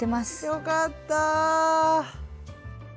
よかった。